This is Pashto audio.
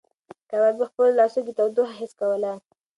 کبابي په خپلو لاسو کې تودوخه حس کوله.